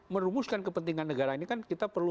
merumuskan kepentingan negara ini kan kita perlu